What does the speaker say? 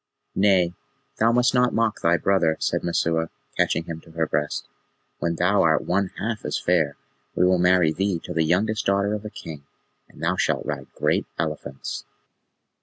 "Nay, thou must not mock thy brother," said Messua, catching him to her breast. "When thou art one half as fair we will marry thee to the youngest daughter of a king, and thou shalt ride great elephants."